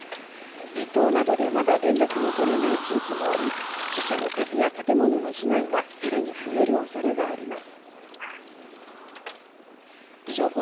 離島などで、まだ連絡が取れない地域もあり、死者の数や建物の被害はさらに増える恐れがあります。